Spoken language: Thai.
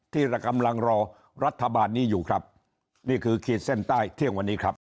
ที่เรากำลังรอรัฐบาลนี้อยู่ครับนี่คือขีดเส้นใต้เที่ยงวันนี้ครับ